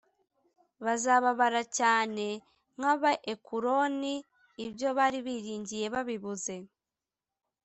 bazababara cyane nk aba Ekuroni ibyo bari biringiye babibuze